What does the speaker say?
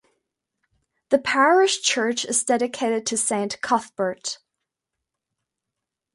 The parish church is dedicated to Saint Cuthbert.